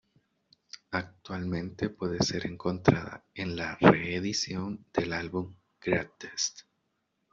Actualmente puede ser encontrada en la reedición del álbum Greatest.